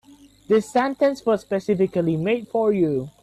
This sentence was specifically made for you.